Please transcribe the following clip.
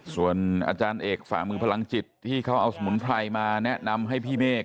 ส่วนอาจารย์เอกฝ่ามือพลังจิตที่เขาเอาสมุนไพรมาแนะนำให้พี่เมฆ